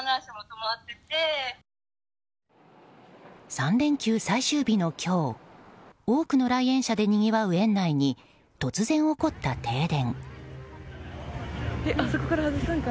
３連休最終日の今日多くの来園者でにぎわう園内に突然起こった停電。